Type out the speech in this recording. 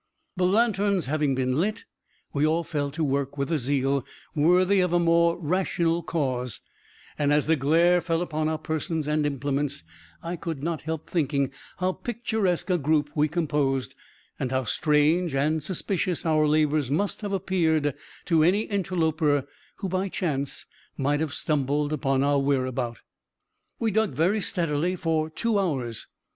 The lanterns having been lit, we all fell to work with a zeal worthy a more rational cause; and, as the glare fell upon our persons and implements, I could not help thinking how picturesque a group we composed, and how strange and suspicious our labors must have appeared to any interloper who, by chance, might have stumbled upon our whereabout. We dug very steadily for two hours.